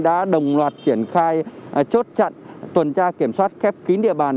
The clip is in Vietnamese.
đã đồng loạt triển khai chốt chặn tuần tra kiểm soát khép kín địa bàn